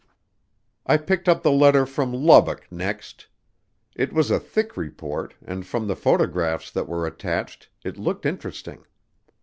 I picked up the letter from Lubbock next. It was a thick report, and from the photographs that were attached, it looked interesting.